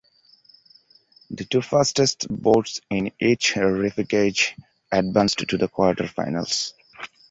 The two fastest boats in each repechage advanced to the quarterfinals.